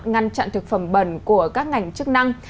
ngăn chặn thực phẩm bẩn của các ngành chức năng